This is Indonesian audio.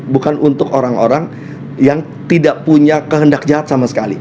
bukan untuk orang orang yang tidak punya kehendak jahat sama sekali